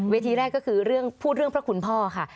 ทีแรกก็คือเรื่องพูดเรื่องพระคุณพ่อค่ะ